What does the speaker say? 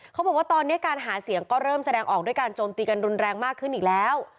เขาบอกว่าตอนนี้การหาเสียงก็เริ่มแสดงออกด้วยการโจมตีกันรุนแรงมากขึ้นอีกแล้ว